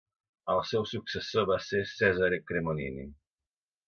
El seu successor va ser Cesare Cremonini.